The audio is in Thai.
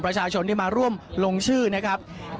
ประชาชนที่มาร่วมลงชื่อนะครับ